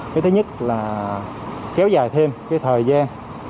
cái thứ nhất là kéo dài thêm cái thời gian